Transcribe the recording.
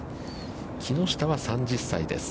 木下は３０歳です。